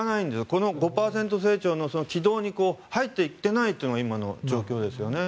この５％成長の軌道に入っていってないというのが今の状況ですね。